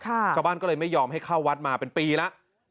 ชาวบ้านก็เลยไม่ยอมให้เข้าวัดมาเป็นปีแล้ว